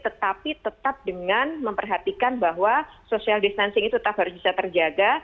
tetapi tetap dengan memperhatikan bahwa social distancing itu tetap harus bisa terjaga